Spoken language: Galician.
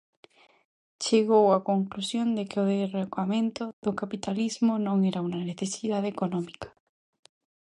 Chegou á conclusión de que o derrocamento do capitalismo non era unha necesidade económica.